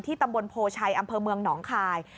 ตำบลโพชัยอำเภอเมืองหนองคาย